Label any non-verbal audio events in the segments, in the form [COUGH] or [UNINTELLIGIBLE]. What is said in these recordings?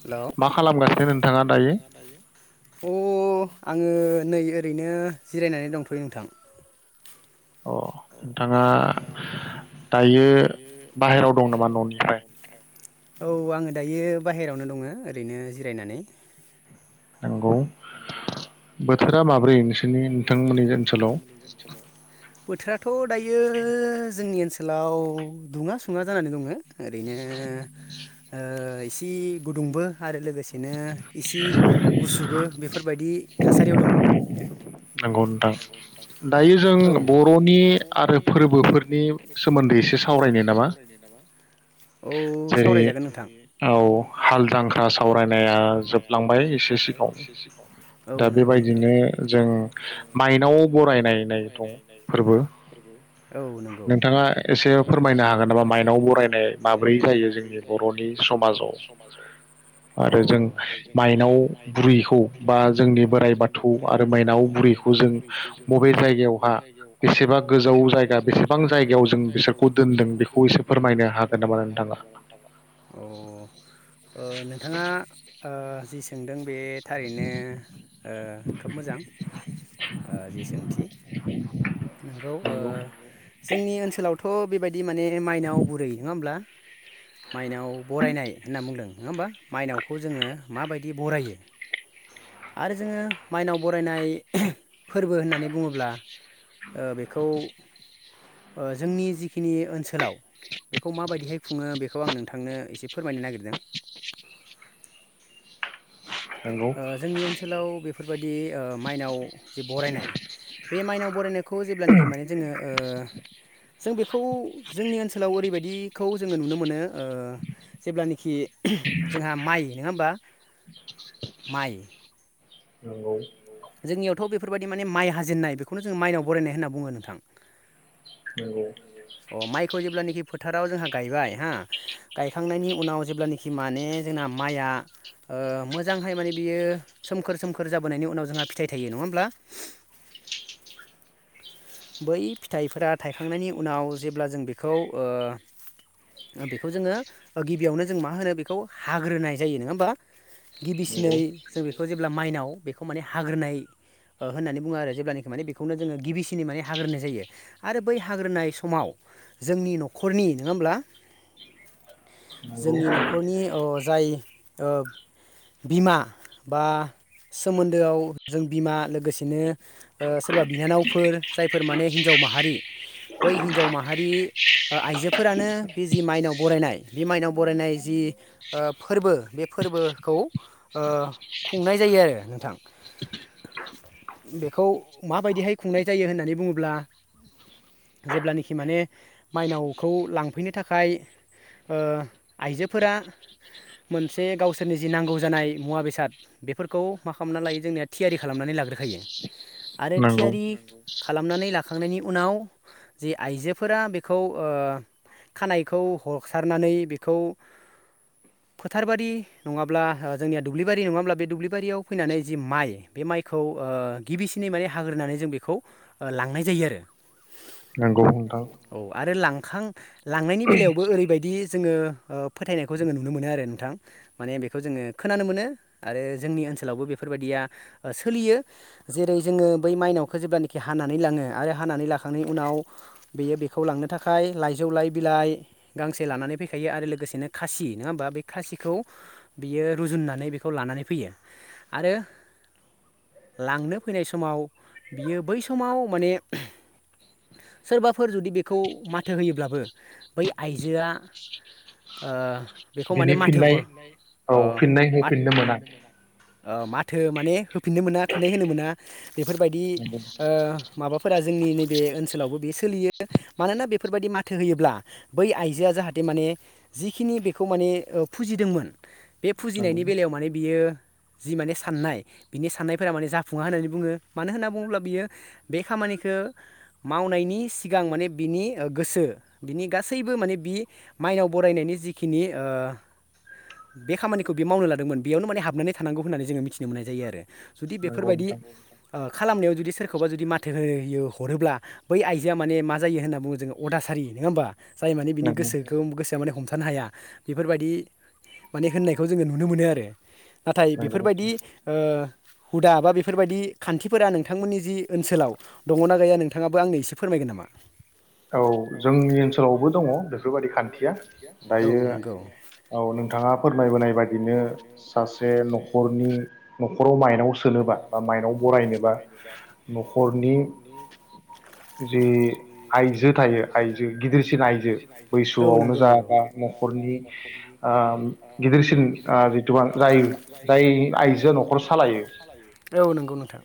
हेल' मा खालामलांसो नोंथाङा दायो अ आङो नै ओरैनो जिरायनानै दंथ'यो नोंथां। नोंथाङा दायो बेहेराव दं नामा न'नि औ आङो दायो बाहेरायावनो दङ ओरैनो जिरायनानै। नंगौ [UNINTELLIGIBLE] बोथोरा माब्रै नोंसोरनि नोंथांमोननि ओनसोलाव बोथोरा थ' दायो जोंनि ओनसोलाव दुङा सुङा जानानै दङ। ओरैनो ओ एसे गुदुंबो आरो लोगोसे बिदिनो इसे गुसुबो बेफोरबायदि थासारियाव दं। नंगौ नोंथां दायो जों बर'नि आरो फोरबोफोरनि सोमोन्दै एसे सावरायनो नामा जेरै औ हालदांख्रा सावरायनाया जोबलांबाय एसे सिगाङाव दा बेबायदिनो जों जों मायनाव बरायनायनाय फोरबो औ नंगौ नोंथाङा एसे फोरमायनो हागोन नामा मायनाव बरायनाय माब्रै जायो जोंनि बर'नि समाजाव औ आरो जों माइनाव बिखौ बा जोंनि बोराइ बाथौ बुरिखौ जों बुरैखौ जों बबे जायगायावहा बेसेबा गोजौ जायगा बेसेबां जायगायाव जों बिसोरखौ दोनदों बेखौ एसे फोरमायनो हागोन नामा नोंथाङा अ नोंथाङा? जि सोंदों बे थारैनो ओ खोब मोजां। जि सोंथि नंगौ जोंनि ओनसोलावथ' बेबायदि माने माइनाव बुरै नङा होमब्ला माइनाव बरायनाय होनना बुंदों। नङा होमबा मायनावखौ जोङो माबायदि बरायो आरो जोङो माइनाव बरायनाय फोरबो होननानै होननानै बुङोब्ला ओ बेखौ जोंनि जिखिनि ओनसोलाव बेखौ माबायदिहाय खुङो बेखौ आं नोंथांनो एसे फोरमायनो नागिरदों जोंनि ओनसोलाव बे बेफोरबायदि माइनाव जि बरायनाय बे माइनाव। बरायनाय खौ जेब्लानाखि माने जोङो ओ जों बेखौ जोंनि ओनसोलाव ओरैबायदिखौ जोङो नुनो मोनो जेब्लानाखि जोंहा माइ नङा होमबा? माइ नंगौ। जोंनियावथ' बेफोरबायदि माने माइ हाजेननाय बेखौनो जों माइनाव बरायनाय होनना बुङो नोंथां। नोंगौ। अ माइखौ जेब्लानोाखि फोथाराव जोंहा गायबाय हा गायखांनायनि उनाव जेब्लानोखि माने जोंना माइया ओ मोजांहाय माने बियो सोमखोर सोमखोर जाबोनायनि उनाव जोंहा फिथाइ थायो नङा ओमब्ला? बै फिथाइफोरा थायखांनायनि उनाव जेब्ला जों बेखौ ओ बेखौ जोङो गिबियावनो जों मा होनो बेखौ हाग्रोनाय जायो नोङा ओमबा, गिबिसिनै जों बेखौ जेब्ला माइनाव बेखौ माने हाग्रोनाय होननानै बुङो आरो जेब्ला नोखि माने बेखौनो जोङो गिबिसिनै हाग्रोनाय जायो आरो बै हाग्रोनाय समाव जोंनि नखरनि नोङा ओमब्ला, जोंनि नखरनि जाय ओ बिमा बा सोमोन न्दोआव जों बिमा लोगोसेनो ओ सोरबा बिनानावफोर जायफोर माने हिन्जाव माहारि, बै हिन्जाव माहारि ओ आइजोफोरानो बे जि माइनाव बरायनाय बे माइनाव बरायनाय जि ओ फोरबो बे फोरबोखौ ओ खुंनाय जायो आरो नोंथां। बेखौ माबायदिहाय खुंनाय जायो होननानै बुङोब्ला जेब्लानोखि माने माइनावखौ लांफैनो थाखाय ओ आइजोफोरा मोनसे गावसोरनि जि नांगौ जानाय मुवा बेसाद बेफोरखौ माख खामना लायो जोंनिया थियारि खालामनानै लाग्रोखायो आरो थियारि खालामनानै लाखांनायनि उनाव जे आइजोफोरा बेखौ ओ खानायखौ हसारनानै बेखौ फोथारबारि नङाब्ला जोंनिया दुब्लिबारि नङा ओमब्ला बे दुब्लिबारियाव फैनानै जि माइ बे माइखौ ओ गिबिसिनै माने हाग्रोनानै जों बेखौ लांनाय जायो आरो। औ आरो लां खां लांनायनि बेलायावबो ओरैबायदि जोङो फोथायनायखौ जोङो नुनो मोनो आरो नोंथां माने बेखौ जोङो खोनानो मोनो आरो जोंनि ओनसो सोलावबो बेफोरबायदिया सोलियो जेरै जोङो बै माइनावखौ जेब्लानाखि हानानै लाङो आरो हानानै लाखांनायनि उनाव बेयो बेखौ लांनो थाखाय लाइजौलाइ बिलाइ गांसे लानानै फैखायो आरो लोगोसेनो खासि नोङा ओमबा बे खासिखौ बियो रुजुननानै बेखौ लानानै फैयो। आरो लांनो फैनाय समाव बियो बै समाव माने सोरबाफोर जुदि बेखौ माथो होयोब्लाबो बै आइजोआ बेखौ माने माथो हर ओ मा ओ माथो माने होफिननो मोना फिननाय होनो मोना। बेफोरबायदि ओ माबाफोरा जोंनि नैबे ओनसोलावबो बेयो सोलियो मानोना बेफोरबायदि माथो होयोब्ला बै आइजोआ जाहाथे माने जिखिनि बेखौ माने फुजिदोंमोन बे फुजिनायनि बेलायाव माने बियो जि माने साननाय बिनि साननायफोरा माने जाफुङा होननानै बुङो मानो होनना बुङोब्ला बियो बे खामानिखौ मावनायनि सिगां माने बिनि गोसो बिनि गासैबो माने बि माइनाव बरायनायनि जिखिनि ओ बे खामानिखौ बि मावनो लादोंमोन बेयावनो माने हाबनानै थानांगौ होननानै जोङो मिथिनो मोननाय जायो आरो जुदि बेफोरबायदि ओ खालामनायाव जुदि सोरखौबा जुदि माथो होयो हरोब्ला बै आइजोआ माने मा जायो होनना बुङो जोङो अदासारि नोङा ओमबा? जाय माने बिनि गोसोखौ गोस माने हमथानो हाया बेफोरबायदि माने होननायखौ जोङो नुनो मोनो आरो नाथाय बेफोरबायदि ओ हुदा बा बेफोरबायदि खान्थिफोरा नोंथांमोननि जि ओनसोलाव दङना गैया नोंथाङाबो आंनो एसे फोरमायगोन नामा? औ जोंनि ओनसोलावबो दङ बेफोरबायदि खान्थिया दायो औ नोंथाङा फोरमायबोनाय बाददिनो सास से न'खरनि उम खर'आव माइ उम माइनाव बरायनोबा नख'रनि जि आइजो जि गिदिरसिन आइजो बैसोआवनो जा बा न'खरनि ओ गिदिरसिन ओ जिथुुमान जाय जाय आइजोआ न'खर सालायो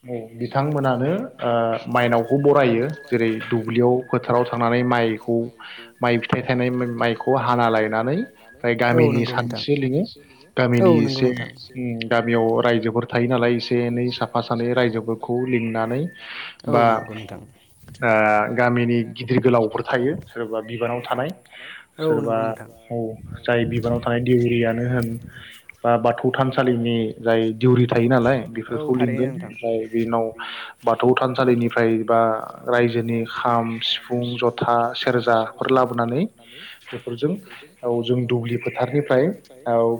औ बिथांमोनानो ओ माइनावखौ बरायो जेरै दुब्लियाव फोथाराव थांना नै माइखौ माइ फिथाइ थायनाय मा-माइखौ हाना लायनानै फ्राय गामिनि सानैसो लिङो गामिनि एसे उम गामियाव रायजोफोर थायो नालाय थायो नालाय एसे एनै साफा सानै रायजोफोरखौ लिंनानै औ नंगौ नोंथां ओ गामिनि लावफोर थायो सोरबा बिबानाव थानाय सोरबा औ जाय बिबानाव थानाय दिउरियानो होन बा बाथौ थानसालिनि जाय दिउरि थायो नालाय खौ लिंगोन ओमफ्राय बे उनाव बाथौ थानसालिनिफ्राय बा रायजोनि खाम स फुं जथा सेरजाफोर लाबोनानै बेफोरजों औ जों दुब्लि फोथारनिफ्राय औ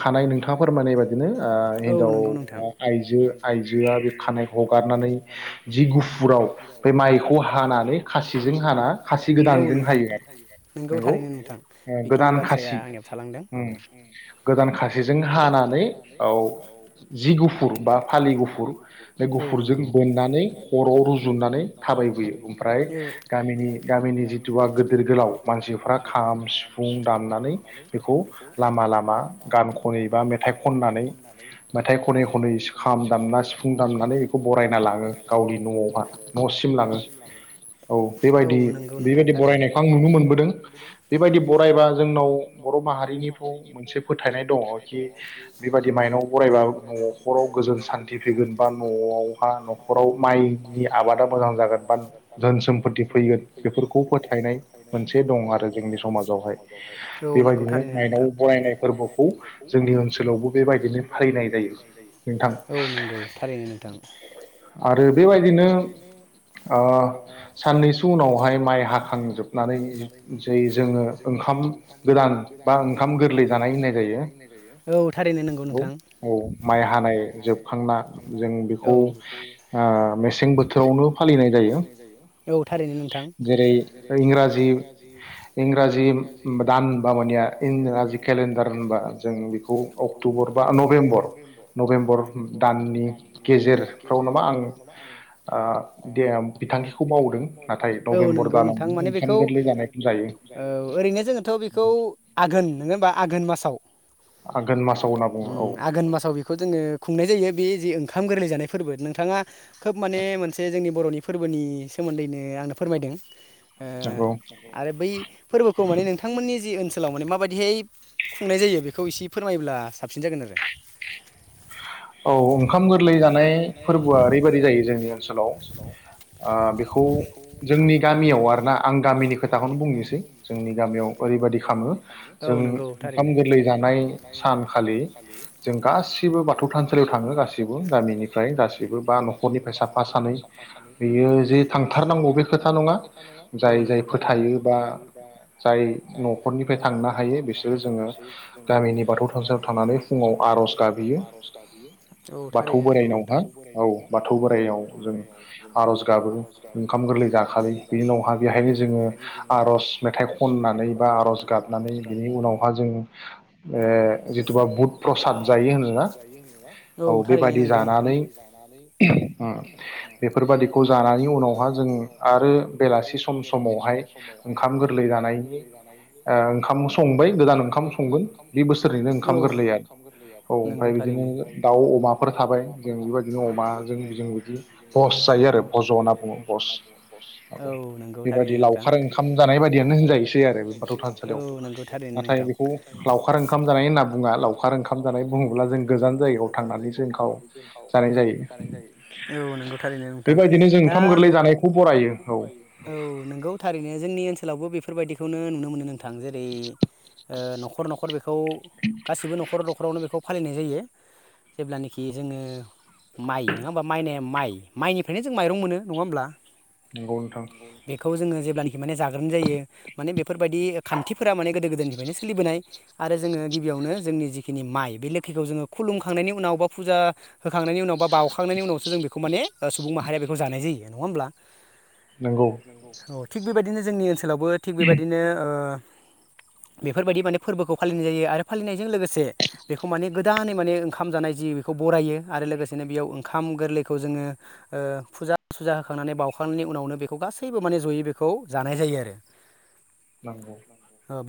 खानाय नोंथाङा फोरमायनाय बादिनो ओ हिनजाव बा आइज जो आइजोआ बे खानाय हगारनानै जि गुफुराव बे माइखौ हानानै खासिजों हाना औ नोंथां नंगौ थारैनो नोंथां बेखिनि बाथ्राया आंनियाव थालांदों औ उम गोदान खासिजों हानानै औ गुफुर बा फालि गुफुर बे गुफुरजों बोननानै खर'आव रुजुननानै थाबायबोयो ओमफ्राय गामिनि गामिनि जिथुबा गोदोर गोलाव मानसिफ्रा खाम, सिफुं दामनानै बेखौ लामा लामा गान खनै बा मेथाइ खननानै मेथाइ खनै खनै खनै खनै खाम दामना सिफुं दामनानै बेखौ बरायना लाङो गावनि न'आवहा न'सिम लाङो। औ बेबायदि बेबायदि बरायनायखौ आं नुनो मोनबोदों बेबायदि बरायबा जोंनाव बर' माहारिनिथ' मोनसे फोथायनाय दङ खि बेबायदि माइनाव बरायबाबो न'खर गोजोन सान्थि फैगोन बा न'आवहा न'खराव माइनि आबादा मोजां जागोन बा धोन सम्फथि फैगोन बेफोरखौ फोथायनाय मोनसे दं आरो जोंनि समाजावहाय औ नोंगौ थारैनो नोंथां माइनाव बरायनाय फोरबोखौ जोंनि ओनसोलावबो बेबायदिनो फालिनाय जायो। औ नंगौ थारैनो नोंथां आरो बेबायदिनो ओ साननैसो उनावहाय माइ हाखांजोबनानै जै जोङो ओंखाम गोदान बा ओंखाम गोरलै जानाय होननाय जायो औ थारैनो नोंगौ नोंथां औ जोबखांना जों बेखौ ओ मेसें बोथोरावनो फालिनाय जायो। औ थारैनो नोंथां [INAUDIBLE] नभेम्बर दाननि गेजेरफ्राव नामा आं ओ दे बिथांखि औ नंगौ नोंथां माने बेखौ औ ओरैनो जोङोथ' बेखौ आघोन नोङा होमबा आघोन मा आघोन मासाव होनना बुङो औ ङो खुंनाय जायो बे जे ओंखाम गोरलै जानाय फोरबो नोंथाङा खोब माने मोनसे जोंनि बर'नि फोरबोनि सोमोन्दैनो आंनो फोरमायदों ऐ आरो बै फोरबोखौ माने नोंथांमोननि जि ओ ओनसोलाव माने माबायदिहाय खुंनाय जायो बेखौ एसे फोरमायोब्ला साबसिन जागोन आरो। औ ओंखाम गोरलै जानाय फोरबोआ ओरैबायाददि जायो जोंनि ओनसोलाव आ बेखौ जोंनि गामियाव आरोना आं गामिनि खोथाखौनो बुंनोसै जोंनि गामियाव ओरैबायाददि खामो जों ओंखाम गोरलै जानाय सानखालि जों गासि बो बाथौ थान [UNINTELLIGIBLE] औ नंगौ [UNINTELLIGIBLE] न' आरज बाथौ बोराइनावहा औ बाथौ बोराइयाव जों आर'ज गाबो ओंखाम गोरलै जाखालि बेनि उनावहा बेहायनो जोङो आर'ज मेथाइ खननानै बा आर'ज गाबनानै बिनि उनावहा जों ए जिथुबा बुध प्रसाद जायो होनो ना औ थारैनो नगौ नोंथां [UNINTELLIGIBLE] औ [INAUDIBLE] नंगौ थार [INAUDIBLE] औ नंगौ थारैनो नोंथांं [INAUDIBLE] औ नंगौथारैनो नोंथां ओंखाम जानाय होनना बुङा लावखार ओंखाम जानाय बुङोब्ला जों [UNINTELLIGIBLE] औ नंगौ थारैनो नोंथां दा [UNINTELLIGIBLE] औ नंगौ थारैनो जोंनि ओन्सोलावबो बेफोर फोरबायदिखौनो नुनो मोनो नों थां जेरै ओ न'खर न'खर बे खौ गासिबो न'खर न'खरावनो बेखौ खौ फालिनाय जायो जेब्लानिखि जोङो माइ नङा होमबा माइ माइ माइनिफ्रायनो जों माइरं मोनो नङा होमब्ला? बेखौ जोङो जेब्लानाखि माने जाग्रोनाय जायो माने बेफोरबायदि खान्थिफोरा माने गोदो गोदायनि बेनो सोलिबोनाय आरो जोङो गिबियावनो जोंनि जिखिनि माइ बे लोखिखौ जोङो खुलुमखांनायनि उनाव बा फुजा होखांनायनि उनाव बा बावखांनायनि उनावसो जों बेखौ माने सुबुं माहारिया खौ जानाय जायो नङा होमब्ला? नंगौ थिग बेबायदिनो जोंनि ओनस लावबो थिग बेबायदिनो ओ बेफोरबायदि माने फोरबोखौ फालिनाय जायो आरो फालिनायजों लोगोसे बेखौ माने गोदानै माने ओंखाम जानाय जि बेखौ बरायो आरो लोगोसेनो बेयाव ओंखाम गोरलैखौ जोङो ओ फुजा सुजा होखांनानै बावखांनायनि उनावनो बेखौ गासैबो माने जयै बेखौ जानाय जायो आरो नंगौ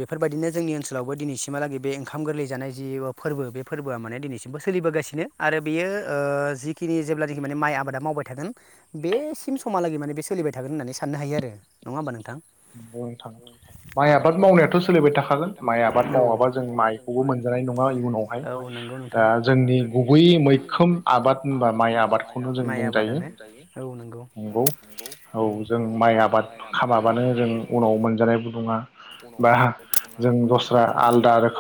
फोरबायदिनो जोंनि ओनसोलावबो दिनै सि सिमहालागै बे ओंखाम गोरलै जानाय जि फोरबो बे फोरबोआ माने दिनैसिमबो सोलिबोगासिनो आरो बेयो ओ जिखिनि जेब्लानिखि माने माइ आबादा मावबाय थागोन बेसिम समहालागै माने बे सोलिबाय थागोन होननानै साननो हायो आरो नङा होमबा नोंथां? नंगौ नोंथां माइ आबाद मावनायाथ' सोलिबाय थाखागोन माइ आबाद औ माइ आबाद मालाबा जों माइखौबो मोनजानाय नङा औ नंगौ नोंथां ओ जोंनि गुबै मैखोम आबाद बोंबा माइ आबादानो औ नंगौ औ जों माइ आबाद माने जों उनाव मोनजानाय उनाव मोनजानाय नङा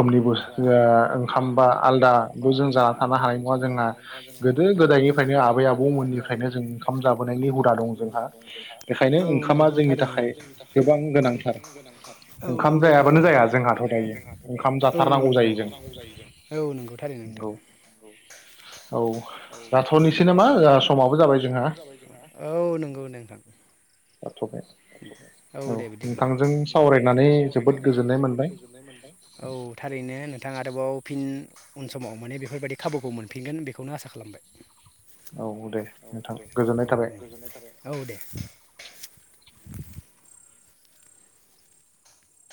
जों दस्रा आलादा रोखोमै गसोआ ओंखाम बा आलदा बे जों जाथानो हानाय नङा जोंहा गोदायनिफ्रायनो आबै आबै उनिफ्रायनो जों ओंखाम जाबोनायनि हुदा दं जोंहा औ नौथारै नै गोबां गोनांथार औ नोंखौ थारैनो औ नोंखौ औ नोंखौ नोंथां औ नोंथांजों साव सावरायनानै जोबोद गोजोननाय मोनबाय औ थारैनो नोंथाङ आरोबाव फिन उन समाव माने बेफोरबायदि खाबुखौ मोनफिनगोन बेखौनो आसा खालामबाय औ दे औ गोजोननाय थाबाय औ दे।